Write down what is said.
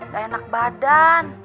gak enak badan